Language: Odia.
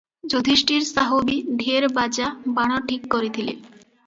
ଯୁଧିଷ୍ଠିର ସାହୁ ବି ଢେର୍ ବାଜା, ବାଣ ଠିକ କରିଥିଲେ ।